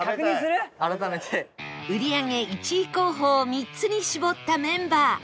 売り上げ１位候補を３つに絞ったメンバー